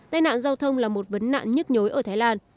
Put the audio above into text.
tên nạn giao thông là một vấn nạn nhất nhối ở thái lan